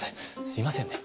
すいませんね。